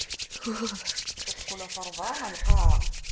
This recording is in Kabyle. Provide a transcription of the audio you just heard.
Qqel ɣef rebεa ɣer lqaεa!